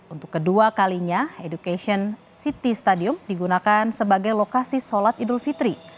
untuk kedua kalinya education city stadium digunakan sebagai lokasi sholat idul fitri